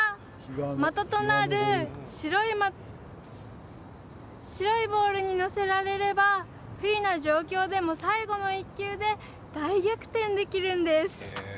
的となる白いボールに乗せられれば不利な状況でも、最後の１球で大逆転できるんです。